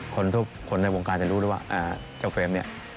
คนทุกคนในวงการจะรู้ด้วยว่าเจ้าเฟรม